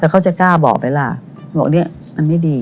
แต่เขาจะกล้าบอกไหมล่ะลองบอกมันไม่ดี